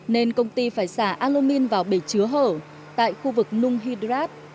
nên công ty phải xả alumin vào bể chứa hở tại khu vực nung hydrat